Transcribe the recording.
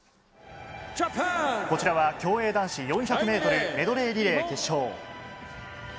こちらは競泳男子４００ｍメドレーリレー決勝。